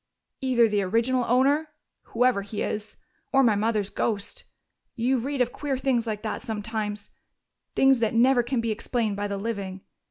"Either the original owner whoever he is or my mother's ghost. You read of queer things like that sometimes, things that never can be explained by the living.